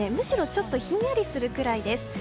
ちょっとひんやりするぐらいです。